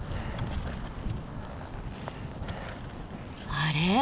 あれ？